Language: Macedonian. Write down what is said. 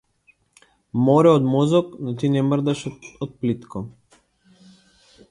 Море од мозок но ти не мрдаш од плитко.